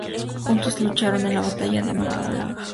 Juntos lucharon en la batalla de Málaga.